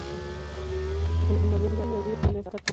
Entre noviembre y abril suele estar congelado.